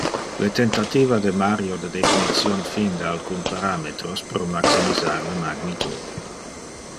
Le tentativa de Mario de definition fin de alcun parametros pro maximisar le magnitude.